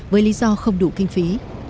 với lý do không đủ kinh phí